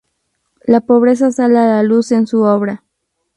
La pobreza sale a la luz en su obra.